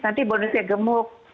nanti bonusnya gemuk